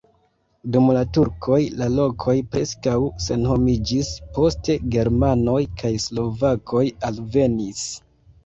Dum la turkoj la lokoj preskaŭ senhomiĝis, poste germanoj kaj slovakoj alvenis.